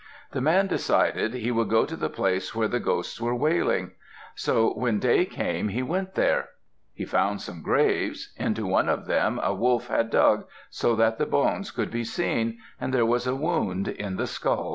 The man decided he would go to the place where the ghosts were wailing. So when day came, he went there. He found some graves. Into one of them a wolf had dug, so that the bones could be seen; and there was a wound in the skull.